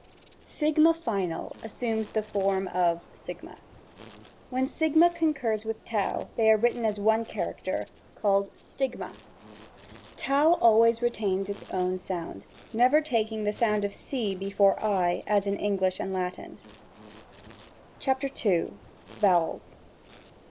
6 final assumes the form of g. When Sigma con curs with T they are written as one character, g^ called Stigma. r always retams its own sound; never ta^g the sound of c before % as in English and Latin. §2. Vowels.